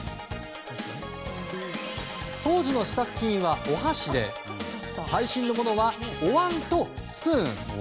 当時の試作品は、お箸で最新のものはおわんとスプーン。